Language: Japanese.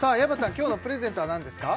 今日のプレゼントは何ですか？